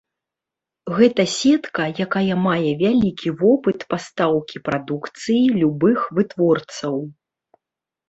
Гэта сетка, якая мае вялікі вопыт пастаўкі прадукцыі любых вытворцаў.